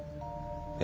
え。